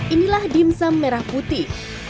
inilah dimsum merah putih